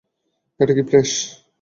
এটা কি ফ্রেশ?